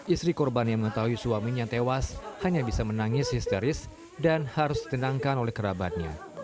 istri korban yang mengetahui suaminya tewas hanya bisa menangis histeris dan harus ditenangkan oleh kerabatnya